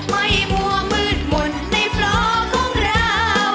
ไม่มั่วมืดหมดในฟลอร์ของเรา